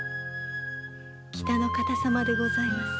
北の方様でございます。